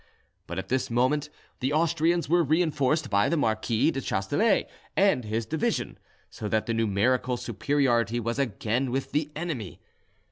But at this moment the Austrians were reinforced by the Marquis de Chasteler and his division, so that the numerical superiority was again with the enemy.